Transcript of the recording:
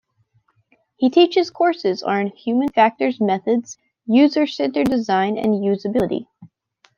He teaches courses on Human Factors methods, User Centred Design and Usability.